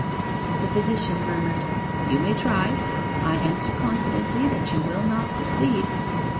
The physician murmured: "You may try. I answer confidently that you will not succeed."